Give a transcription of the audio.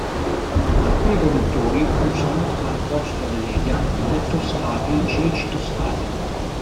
Alcuni produttori usano al posto delle ghiande tostate i ceci tostati.